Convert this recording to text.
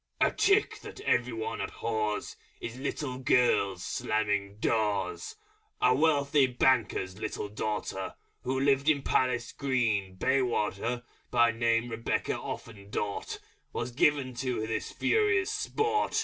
_ A Trick that everyone abhors In Little Girls is slamming Doors. A Wealthy Banker's Little Daughter Who lived in Palace Green, Bayswater (By name Rebecca Offendort), Was given to this Furious Sport.